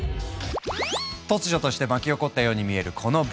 突如として巻き起こったように見えるこのブーム。